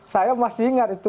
saya masih ingat